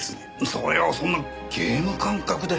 それをそんなゲーム感覚で。